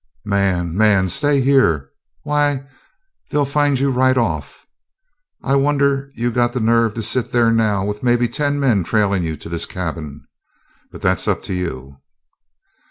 "Man, man! Stay here? Why, they'll find you right off. I wonder you got the nerve to sit there now with maybe ten men trailin' you to this cabin. But that's up to you."